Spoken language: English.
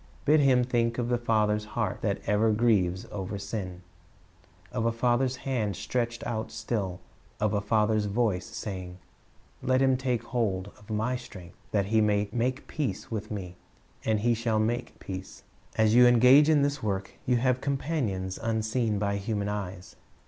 Bid him think of a Father's heart that ever grieves over sin, of a Father's hand stretched out still, of a Father's voice saying, "Let him take hold of My strength, that he may make peace with Me; and he shall make peace."' As you engage in this work, you have companions unseen by human eyes.